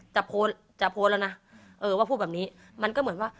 จะโพสต์จะโพสต์แล้วนะเออว่าพูดแบบนี้มันก็เหมือนว่า